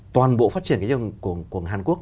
toàn bộ phát triển của hàn quốc